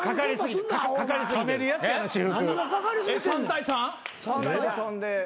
３対３で。